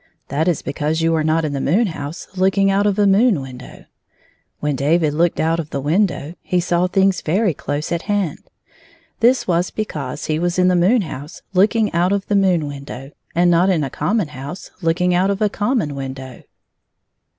That is because you are not in the moon house looking out of a moon window. When David looked out of the window, he saw things very close at hand. That was because he was in the moon house look ing out of the moon window, and not in a common house looking out of a common window.